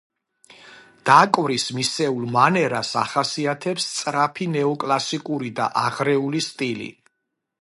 დაკვრის მისეულ მანერას ახასიათებს სწრაფი ნეო-კლასიკური და აღრეული სტილი.